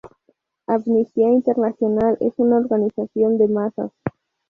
Amnistía Internacional es una organización de masas.